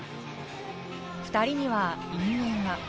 ２人には因縁が。